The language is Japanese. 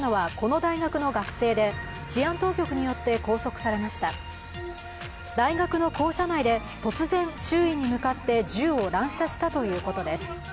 大学の校舎内で突然、周囲に向かって銃を乱射したということです。